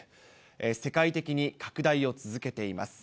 世界的に拡大を続けています。